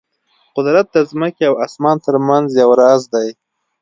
قدرت د ځمکې او اسمان ترمنځ یو راز دی.